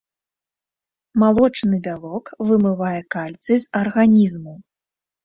Малочны бялок вымывае кальцый з арганізму.